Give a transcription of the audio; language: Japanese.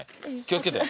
気を付けて。